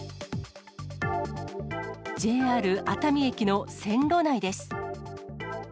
ＪＲ熱海駅の線路内です。